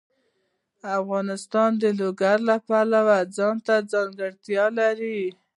افغانستان د لوگر د پلوه ځانته ځانګړتیا لري.